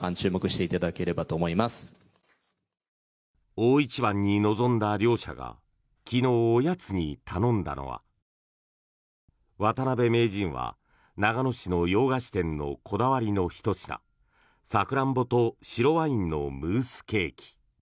大一番に臨んだ両者が昨日、おやつに頼んだのは渡辺名人は長野市の洋菓子店のこだわりのひと品サクランボと白ワインのムースケーキ。